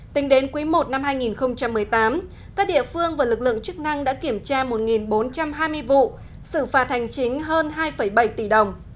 tính đến quý i năm hai nghìn một mươi tám các địa phương và lực lượng chức năng đã kiểm tra một bốn trăm hai mươi vụ xử phạt hành chính hơn hai bảy tỷ đồng